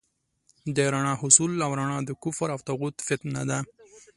د رڼا حصول او رڼا د کفر او طاغوت فتنه ده.